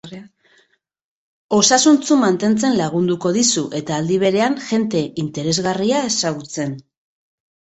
Osasuntsu mantentzen lagunduko dizu, eta, aldi berean, jende interesgarria ezagutzen.